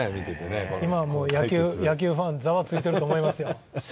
今、野球ファン、ざわついていると思いますよ。